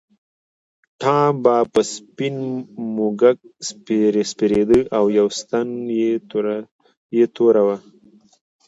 ټام به په سپین موږک سپرېده او یوه ستن یې توره وه.